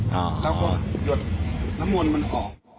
แล้วก็หยดน้ำมนต์มันออก